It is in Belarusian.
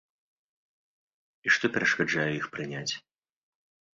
І што перашкаджае іх прыняць?